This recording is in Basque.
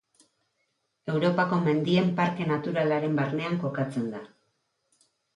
Europako Mendien Parke Naturalaren barnean kokatzen da.